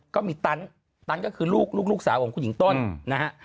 ก็มีตันตันก็คือลูกลูกสาวของคุณหญิงต้นนะฮะ